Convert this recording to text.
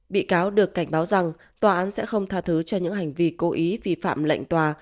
bị cáo được cảnh báo rằng tòa án sẽ không tha thứ cho những hành vi cố ý vi phạm lệnh tòa